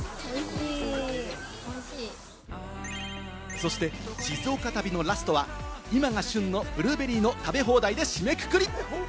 そして静岡旅のラストは今が旬のブルーベリーの食べ放題で締めくくり。